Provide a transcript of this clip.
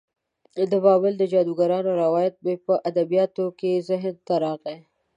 د بابل د جادوګرانو روایت مې په ادبیاتو کې ذهن ته راغی.